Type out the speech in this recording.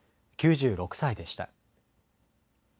９６歳でした。